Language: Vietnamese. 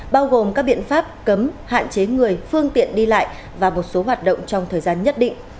bao gồm các biện pháp cấm hạn chế người phương tiện đi lại và một số hoạt động trong thời gian nhất định